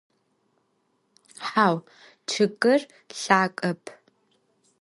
Hau, ççıgır lhagep.